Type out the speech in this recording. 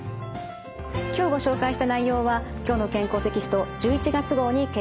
今日ご紹介した内容は「きょうの健康」テキスト１１月号に掲載されています。